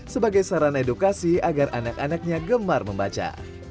sebagai sarana edukasi agar anak anaknya gemar membaca